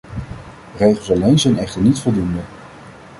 Regels alleen zijn echter niet voldoende.